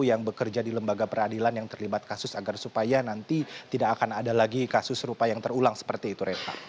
yang bekerja di lembaga peradilan yang terlibat kasus agar supaya nanti tidak akan ada lagi kasus serupa yang terulang seperti itu renha